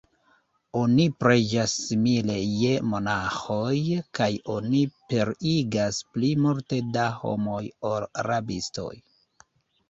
Oni preĝas simile je monaĥoj kaj oni pereigas pli multe da homoj, ol rabistoj.